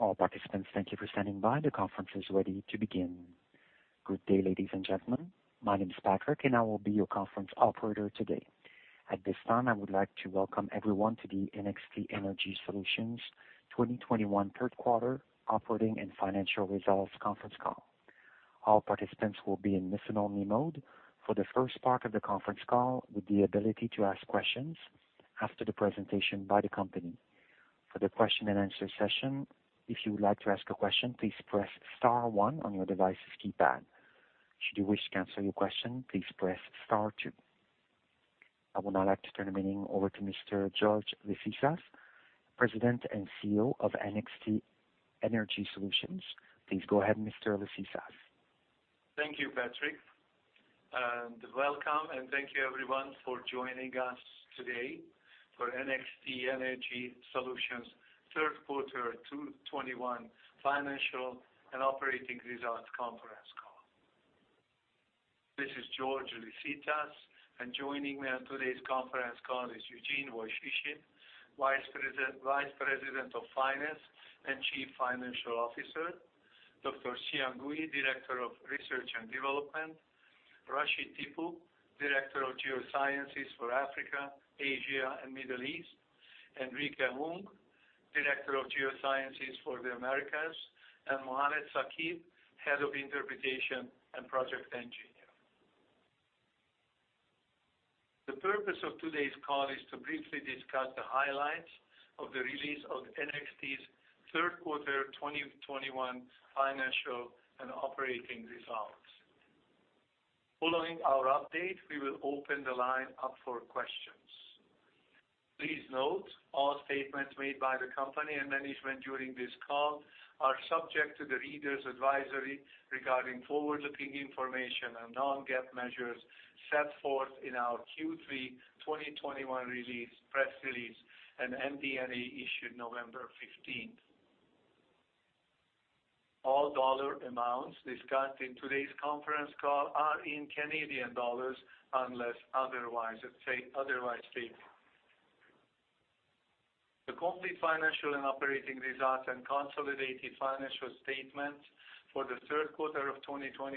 All participants, thank you for standing by. The conference is ready to begin. Good day, ladies and gentlemen. My name is Patrick, and I will be your conference operator today. At this time, I would like to welcome everyone to the NXT Energy Solutions 2021 third quarter operating and financial results conference call. All participants will be in listen-only mode for the first part of the conference call with the ability to ask questions after the presentation by the company. For the question and answer session, if you would like to ask a question, please press star one on your device's keypad. Should you wish to cancel your question, please press star two. I would now like to turn the meeting over to Mr. George Liszicasz, President and CEO of NXT Energy Solutions. Please go ahead, Mr. Liszicasz. Thank you, Patrick, and welcome and thank you everyone for joining us today for NXT Energy Solutions third quarter 2021 financial and operating results conference call. This is George Liszicasz, and joining me on today's conference call is Eugene Woychyshyn, Vice President of Finance and Chief Financial Officer, Dr. Xiang Gui, Director of Research and Development, Rashid Tippu, Director of Geosciences for Africa, Asia, and Middle East, Enrique Hung, Director of Geosciences for the Americas, and Mohammad Saqib, Head of Interpretation and Project Engineer. The purpose of today's call is to briefly discuss the highlights of the release of NXT's third quarter 2021 financial and operating results. Following our update, we will open the line up for questions. Please note all statements made by the company and management during this call are subject to the readers' advisory regarding forward-looking information and non-GAAP measures set forth in our Q3 2021 release, press release, and MD&A issued November fifteenth. All dollar amounts discussed in today's conference call are in Canadian dollars unless otherwise stated. The complete financial and operating results and consolidated financial statements for the third quarter of 2021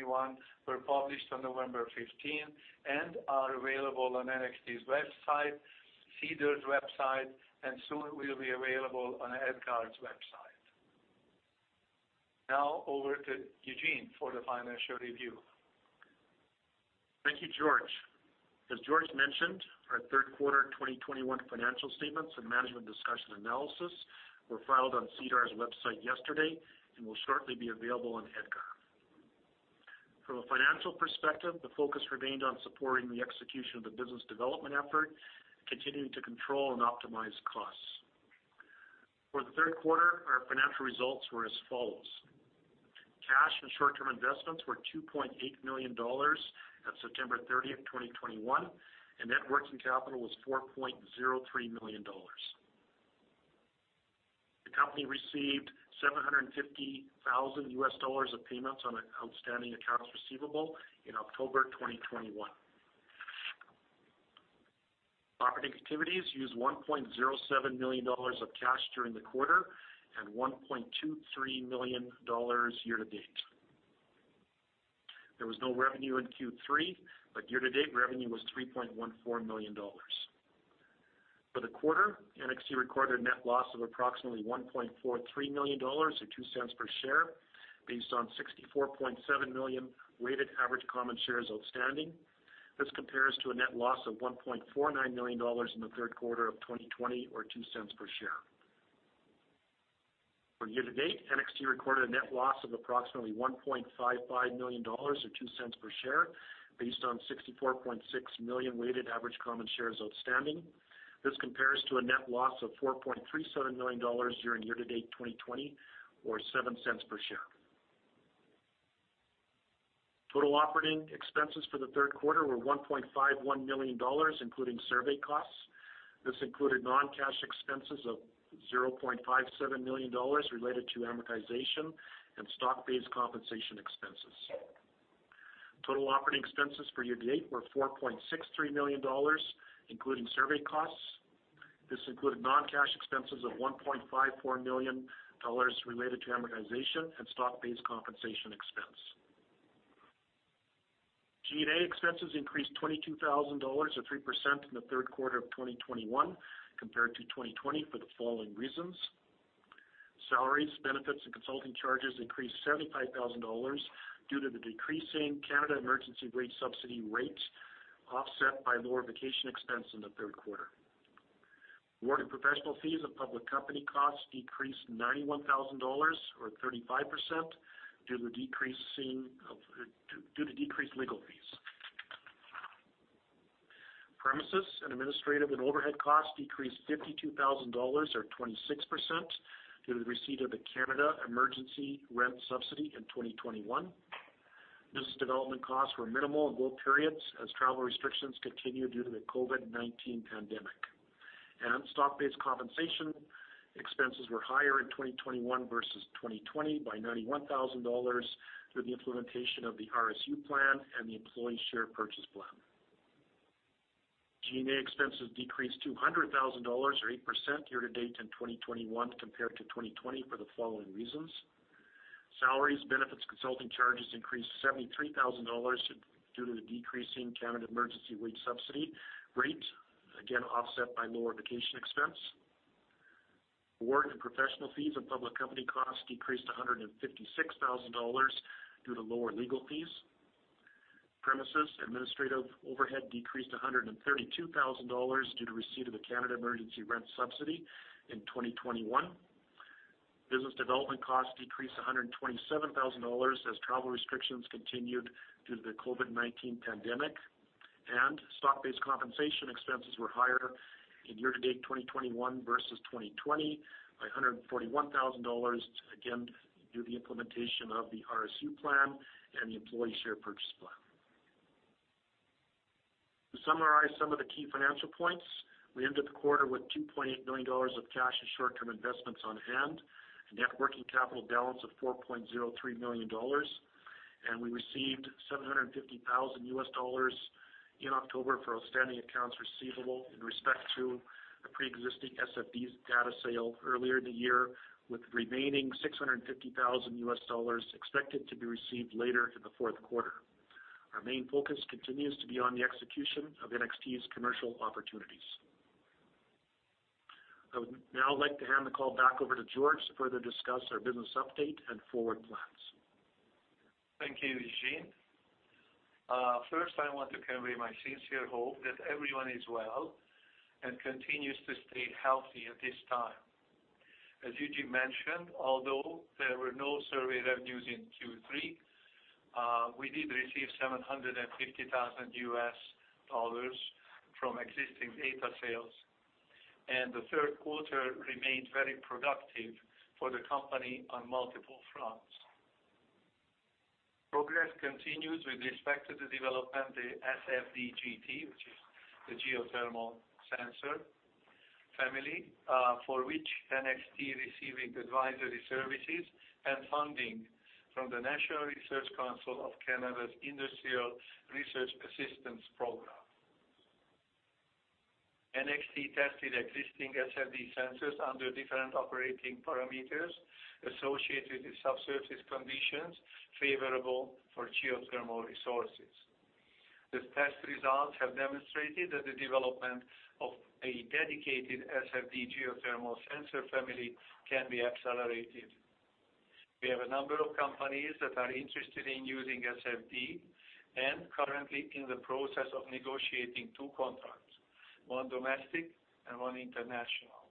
were published on November fifteenth and are available on NXT's website, SEDAR's website, and soon will be available on EDGAR's website. Now over to Eugene for the financial review. Thank you, George. As George mentioned, our third quarter 2021 financial statements and MD&A were filed on SEDAR's website yesterday and will shortly be available on EDGAR. From a financial perspective, the focus remained on supporting the execution of the business development effort, continuing to control and optimize costs. For the third quarter, our financial results were as follows. Cash and short-term investments were 2.8 million dollars at September 30, 2021, and net working capital was 4.03 million dollars. The company received $750,000 of payments on outstanding accounts receivable in October 2021. Operating activities used 1.07 million dollars of cash during the quarter and 1.23 million dollars year-to-date. There was no revenue in Q3, but year-to-date revenue was 3.14 million dollars. For the quarter, NXT recorded a net loss of approximately 1.43 million dollars or 0.02 per share based on 64.7 million weighted average common shares outstanding. This compares to a net loss of 1.49 million dollars in the third quarter of 2020 or CAD 0.02 per share. For year-to-date, NXT recorded a net loss of approximately 1.55 million dollars or 0.02 per share based on 64.6 million weighted average common shares outstanding. This compares to a net loss of 4.37 million dollars during year-to-date 2020 or 0.07 per share. Total operating expenses for the third quarter were 1.51 million dollars, including survey costs. This included non-cash expenses of 0.57 million dollars related to amortization and stock-based compensation expenses. Total operating expenses for year to date were 4.63 million dollars, including survey costs. This included non-cash expenses of 1.54 million dollars related to amortization and stock-based compensation expense. G&A expenses increased 22,000 dollars or 3% in the third quarter of 2021 compared to 2020 for the following reasons. Salaries, benefits, and consulting charges increased 75,000 dollars due to the decreasing Canada Emergency Wage Subsidy rates, offset by lower vacation expense in the third quarter. Audit and professional fees of public company costs decreased 91,000 dollars or 35% due to decreased legal fees. Premises and administrative and overhead costs decreased 52,000 dollars or 26% due to the receipt of the Canada Emergency Rent Subsidy in 2021. Business development costs were minimal in both periods as travel restrictions continued due to the COVID-19 pandemic. Stock-based compensation expenses were higher in 2021 versus 2020 by CAD 91,000 through the implementation of the RSU plan and the employee share purchase plan. G&A expenses decreased to 100,000 dollars or 8% year-to-date in 2021 compared to 2020 for the following reasons. Salaries, benefits, consulting charges increased 73,000 dollars due to the decrease in Canada Emergency Wage Subsidy rate, again, offset by lower vacation expense. Audit and professional fees and public company costs decreased 156,000 dollars due to lower legal fees. Premises, administrative overhead decreased 132,000 dollars due to receipt of the Canada Emergency Rent Subsidy in 2021. Business development costs decreased 127 thousand dollars as travel restrictions continued due to the COVID-19 pandemic. Stock-based compensation expenses were higher in year-to-date 2021 versus 2020 by 141 thousand dollars, again, due to the implementation of the RSU plan and the employee share purchase plan. To summarize some of the key financial points, we ended the quarter with 2.8 million dollars of cash and short-term investments on hand, a net working capital balance of 4.03 million dollars. We received $750 thousand in October for outstanding accounts receivable in respect to a pre-existing SFD® data sale earlier in the year, with remaining $650 thousand expected to be received later in the fourth quarter. Our main focus continues to be on the execution of NXT's commercial opportunities. I would now like to hand the call back over to George to further discuss our business update and forward plans. Thank you, Eugene. First, I want to convey my sincere hope that everyone is well and continues to stay healthy at this time. As Eugene mentioned, although there were no survey revenues in Q3, we did receive $750,000 from existing data sales. The third quarter remained very productive for the company on multiple fronts. Progress continues with respect to the development of the SFD®-GT, which is the geothermal sensor family, for which NXT is receiving advisory services and funding from the National Research Council of Canada's Industrial Research Assistance Program. NXT tested existing SFD® sensors under different operating parameters associated with subsurface conditions favorable for geothermal resources. The test results have demonstrated that the development of a dedicated SFD® geothermal sensor family can be accelerated. We have a number of companies that are interested in using SFD® and currently in the process of negotiating two contracts, one domestic and one international.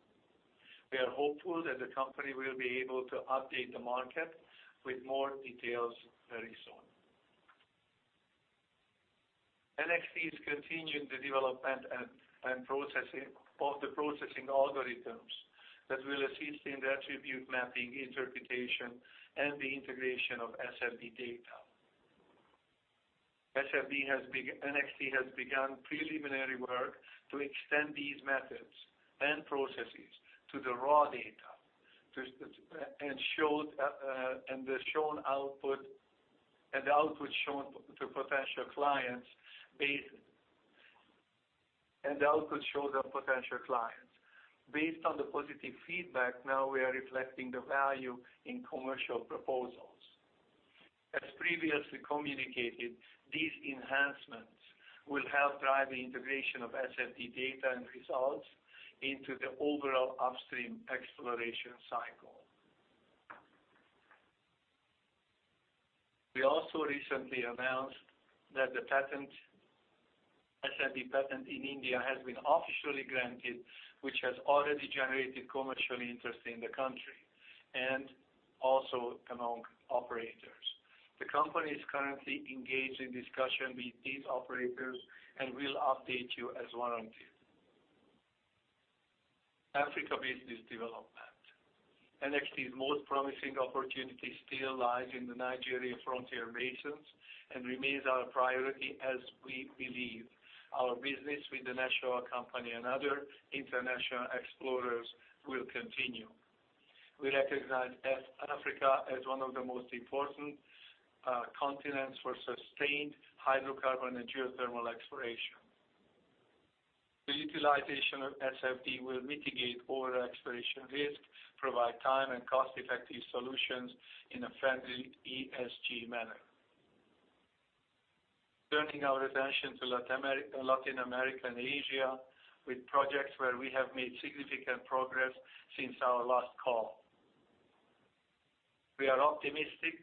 We are hopeful that the company will be able to update the market with more details very soon. NXT is continuing the development and processing of the processing algorithms that will assist in the attribute mapping interpretation and the integration of SFD® data. NXT has begun preliminary work to extend these methods and processes to the raw data and show the output to potential clients. Based on the positive feedback, now we are reflecting the value in commercial proposals. As previously communicated, these enhancements will help drive the integration of SFD® data and results into the overall upstream exploration cycle. We also recently announced that the SFD® patent in India has been officially granted, which has already generated commercial interest in the country and also among operators. The company is currently engaged in discussion with these operators and will update you as warranted. Africa business development. NXT's most promising opportunity still lies in the Nigeria frontier basins and remains our priority as we believe our business with the national oil company and other international explorers will continue. We recognize Africa as one of the most important continents for sustained hydrocarbon and geothermal exploration. The utilization of SFD® will mitigate all exploration risk, provide time and cost-effective solutions in a friendly ESG manner. Turning our attention to Latin America and Asia with projects where we have made significant progress since our last call. We are optimistic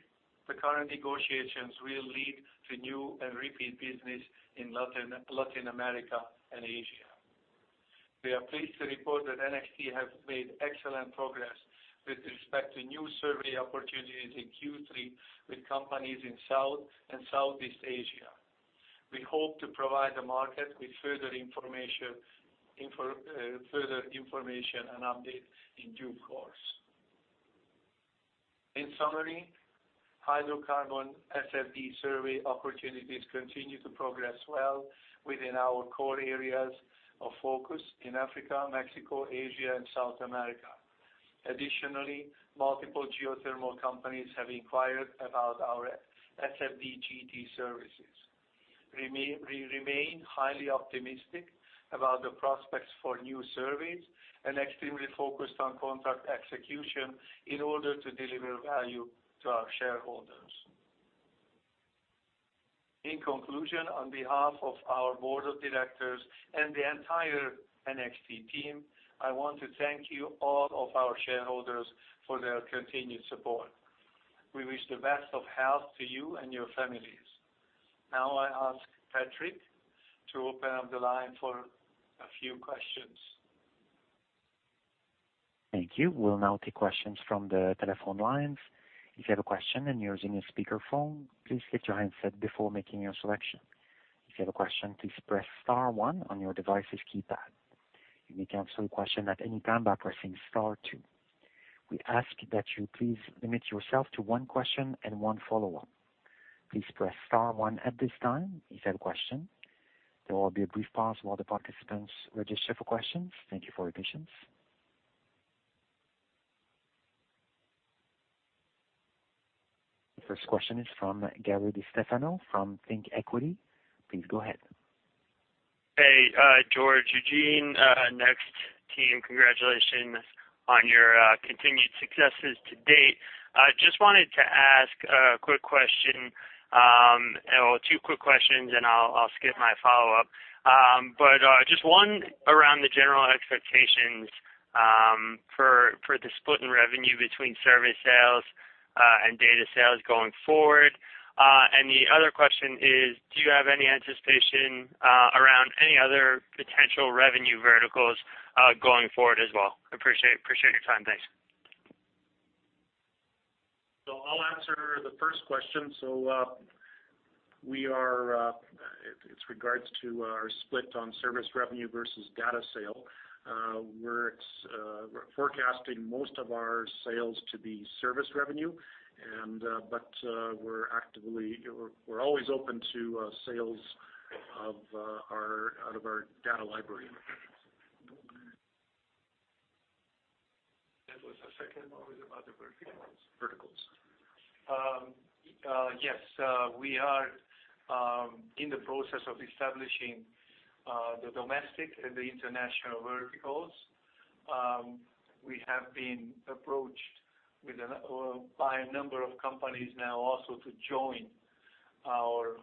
the current negotiations will lead to new and repeat business in Latin America and Asia. We are pleased to report that NXT has made excellent progress with respect to new survey opportunities in Q3 with companies in South and Southeast Asia. We hope to provide the market with further information and update in due course. In summary, hydrocarbon SFD® survey opportunities continue to progress well within our core areas of focus in Africa, Mexico, Asia, and South America. Additionally, multiple geothermal companies have inquired about our SFD®-GT services. We remain highly optimistic about the prospects for new surveys and extremely focused on contract execution in order to deliver value to our shareholders. In conclusion, on behalf of our board of directors and the entire NXT team, I want to thank you all of our shareholders for their continued support. We wish the best of health to you and your families. Now I ask Patrick to open up the line for a few questions. Thank you. We'll now take questions from the telephone lines. If you have a question and you're using a speaker phone, please get your handset before making your selection. If you have a question, please press star one on your device's keypad. You may cancel your question at any time by pressing star two. We ask that you please limit yourself to one question and one follow-up. Please press star one at this time if you have a question. There will be a brief pause while the participants register for questions. Thank you for your patience. The first question is from Gary DiStefano, from ThinkEquity. Please go ahead. Hey, George, Eugene, NXT team, congratulations on your continued successes to date. I just wanted to ask a quick question or two quick questions, and I'll skip my follow-up. Just one around the general expectations for the split in revenue between service sales and data sales going forward. The other question is, do you have any anticipation around any other potential revenue verticals going forward as well? Appreciate your time. Thanks. I'll answer the first question. It's in regards to our split on service revenue versus data sale. We're forecasting most of our sales to be service revenue. We're always open to sales of our data out of our data library. What's the second one? Was it about the verticals? Verticals. Yes. We are in the process of establishing the domestic and the international verticals. We have been approached by a number of companies now also to join our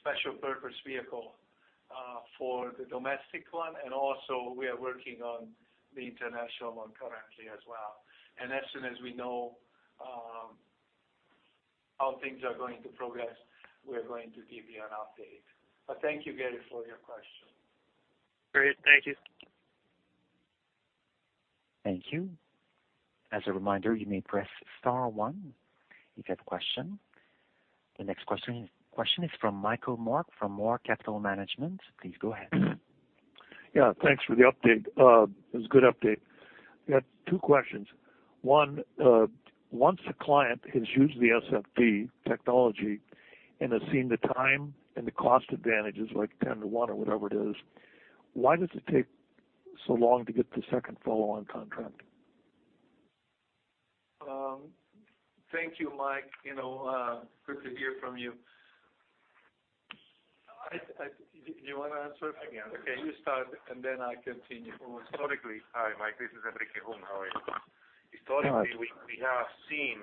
special purpose vehicle for the domestic one, and also we are working on the international one currently as well. As soon as we know how things are going to progress, we are going to give you an update. Thank you, Gary, for your question. Great. Thank you. Thank you. As a reminder, you may press star one if you have a question. The next question is from Michael Mark, from Mork Capital Management. Please go ahead. Yeah. Thanks for the update. It was a good update. I got two questions. One, once the client has used the SFD® technology and has seen the time and the cost advantages, like 10 to 1 or whatever it is, why does it take so long to get the second follow-on contract? Thank you, Mike. You know, good to hear from you. Do you wanna answer it? Yeah. Okay. You start, and then I continue. Hi, Mike, this is Enrique Hung. How are you? Hi. Historically, we have seen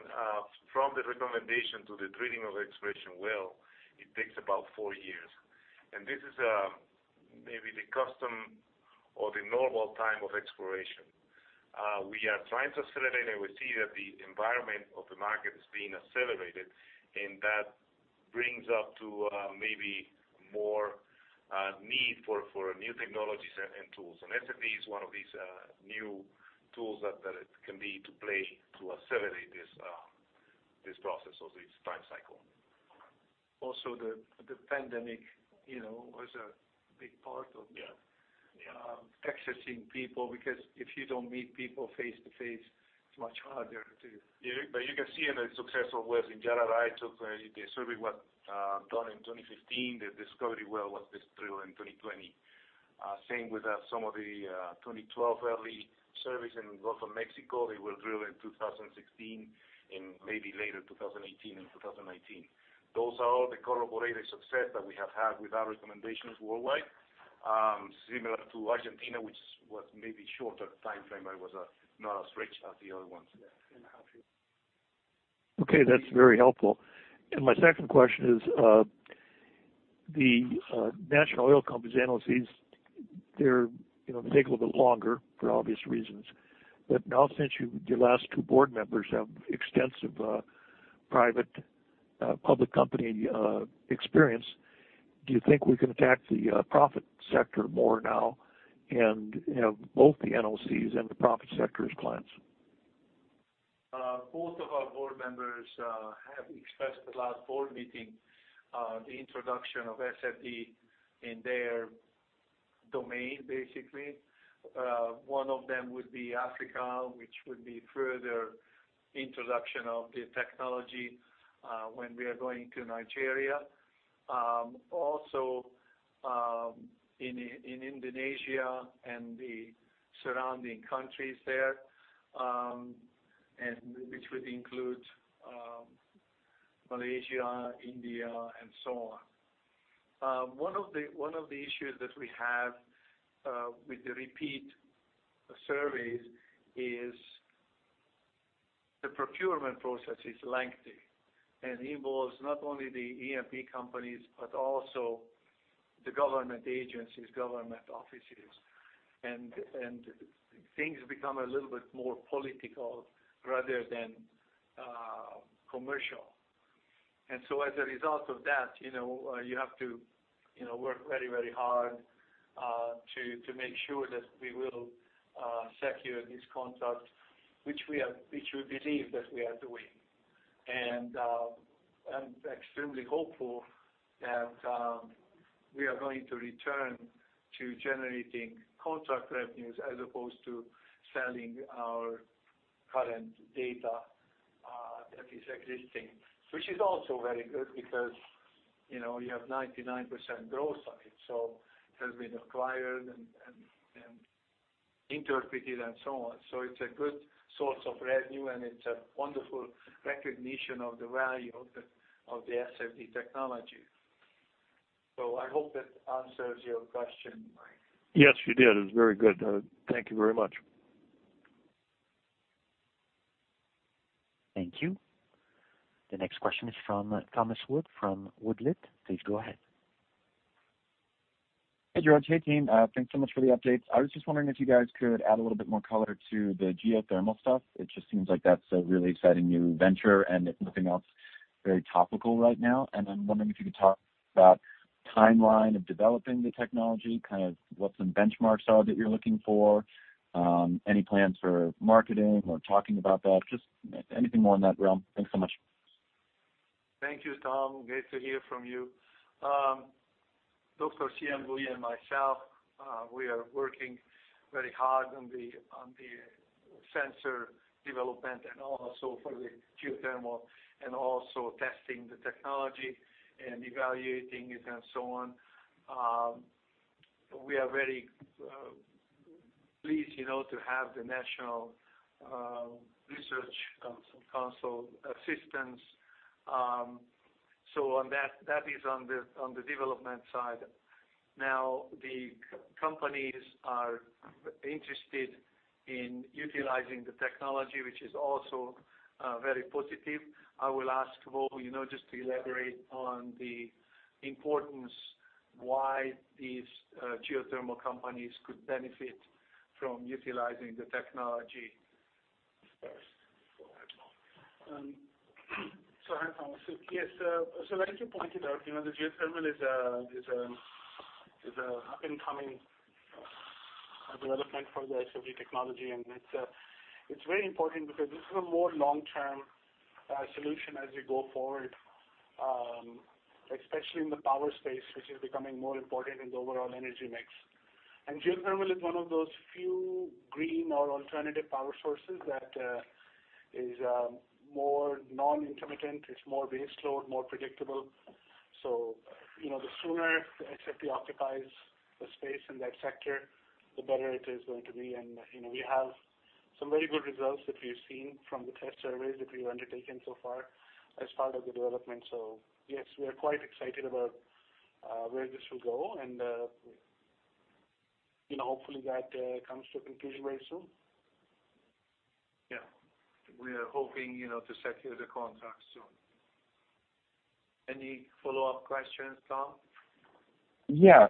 from the recommendation to the drilling of exploration well, it takes about four years. This is maybe the custom or the normal time of exploration. We are trying to accelerate, and we see that the environment of the market is being accelerated, and that brings up to maybe more need for new technologies and tools. SFD® is one of these new tools that it can be to play to accelerate this process or this time cycle. Also, the pandemic, you know, was a big part of. Yeah. Yeah. accessing people, because if you don't meet people face to face, it's much harder to You can see in the successful wells in Jiquilpan, so the survey was done in 2015. The discovery well was just drilled in 2020. Same with some of the 2012 early surveys in the Gulf of Mexico. They were drilled in 2016 and maybe later, 2018 and 2019. Those are the corroborated success that we have had with our recommendations worldwide, similar to Argentina, which was maybe shorter timeframe. It was not as rich as the other ones. Yeah. Happier. Okay. That's very helpful. My second question is, the National Oil Companies analyses, they take a little bit longer for obvious reasons. Now since your last two board members have extensive private and public company experience, do you think we can attack the private sector more now and, you know, both the NOCs and the private sector's clients? Both of our board members have expressed at last board meeting the introduction of SFD® in their domain, basically. One of them would be Africa, which would be further introduction of the technology when we are going to Nigeria. Also, in Indonesia and the surrounding countries there, and which would include Malaysia, India, and so on. One of the issues that we have with the repeat surveys is the procurement process is lengthy and involves not only the E&P companies but also the government agencies, government offices. Things become a little bit more political rather than commercial. As a result of that, you know, you have to, you know, work very, very hard to make sure that we will secure these contracts which we believe that we are doing. I'm extremely hopeful that we are going to return to generating contract revenues as opposed to selling our current data that is existing. Which is also very good because, you know, you have 99% growth on it so it has been acquired and interpreted and so on. It's a good source of revenue, and it's a wonderful recognition of the value of the SFD® technology. I hope that answers your question, Mike. Yes, you did. It was very good. Thank you very much. Thank you. The next question is from Thomas Wood from Woodlet. Please go ahead. Hey, George. Hey, team. Thanks so much for the updates. I was just wondering if you guys could add a little bit more color to the geothermal stuff. It just seems like that's a really exciting new venture, and if nothing else, very topical right now. I'm wondering if you could talk about timeline of developing the technology, kind of what some benchmarks are that you're looking for, any plans for marketing or talking about that, just anything more in that realm. Thanks so much. Thank you, Tom. Great to hear from you. Dr. Xiang Gui and myself, we are working very hard on the sensor development and also for the geothermal and also testing the technology and evaluating it and so on. We are very pleased, you know, to have the National Research Council assistance. That is on the development side. Now, the companies are interested in utilizing the technology, which is also very positive. I will ask Mohammed Saqib, you know, just to elaborate on the importance why these geothermal companies could benefit from utilizing the technology first. Go ahead, Mohammed Saqib. Hi, Tom. Yes, like you pointed out, you know, the geothermal is a up-and-coming development for the SFD® technology. It's very important because this is a more long-term solution as you go forward, especially in the power space, which is becoming more important in the overall energy mix. Geothermal is one of those few green or alternative power sources that is more non-intermittent, it's more base load, more predictable. You know, the sooner the SFD® occupies the space in that sector, the better it is going to be. You know, we have some very good results that we've seen from the test surveys that we've undertaken so far as part of the development. Yes, we are quite excited about where this will go, and you know, hopefully that comes to a conclusion very soon. Yeah. We are hoping, you know, to secure the contract soon. Any follow-up questions, Tom? Yeah.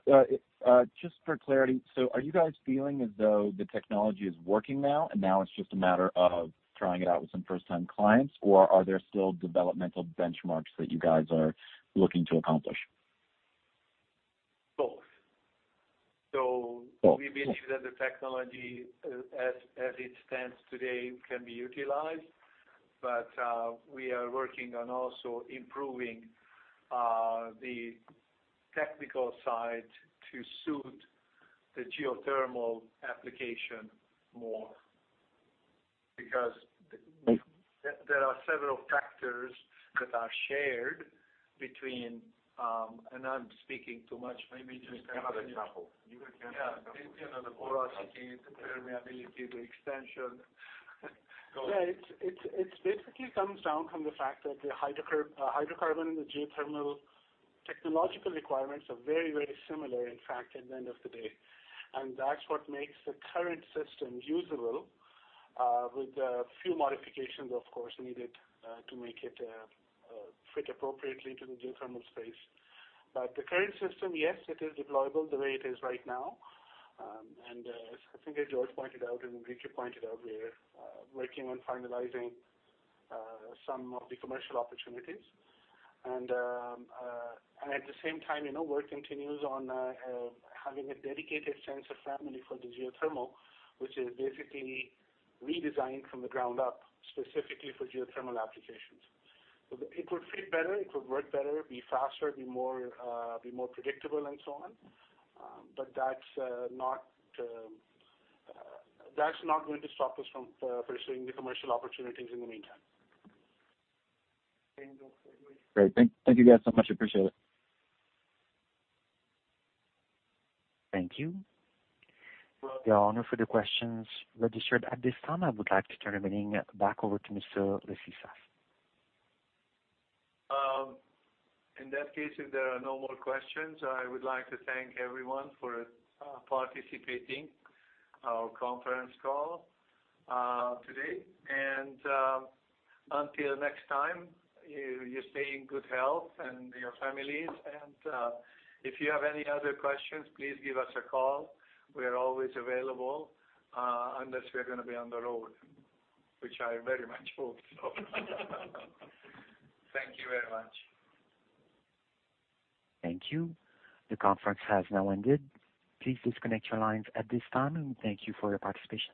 Just for clarity, are you guys feeling as though the technology is working now, and now it's just a matter of trying it out with some first-time clients? Or are there still developmental benchmarks that you guys are looking to accomplish? Both. Both. We've issued that the technology as it stands today can be utilized, but we are working on also improving the technical side to suit the geothermal application more. I'm speaking too much, maybe just. Give another example. You can give an example. Yeah. You know, the porosity, the permeability, the extension. Go ahead. It's basically comes down to the fact that the hydrocarbon and the geothermal technological requirements are very, very similar, in fact, at the end of the day. That's what makes the current system usable, with a few modifications of course needed, to make it fit appropriately to the geothermal space. The current system, yes, it is deployable the way it is right now. I think as George pointed out and Ricky pointed out, we're working on finalizing some of the commercial opportunities. At the same time, you know, work continues on having a dedicated sensor family for the geothermal, which is basically redesigned from the ground up specifically for geothermal applications. It would fit better, it would work better, be faster, be more predictable and so on. That's not going to stop us from pursuing the commercial opportunities in the meantime. George, anyway. Great. Thank you guys so much. Appreciate it. Thank you. There are no further questions registered at this time. I would like to turn the meeting back over to Mr. Liszicasz. In that case, if there are no more questions, I would like to thank everyone for participating in our conference call today. Until next time, you stay in good health and your families. If you have any other questions, please give us a call. We are always available unless we're gonna be on the road, which I very much hope so. Thank you very much. Thank you. The conference has now ended. Please disconnect your lines at this time, and thank you for your participation.